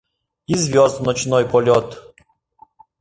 ...И звезд ночной полёт